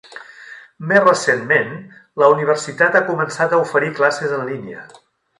Més recentment, la universitat ha començat a oferir classes en línia.